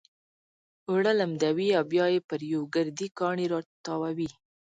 اوړه لمدوي او بيا يې پر يو ګردي کاڼي را تاووي.